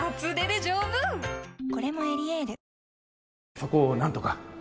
そこをなんとか。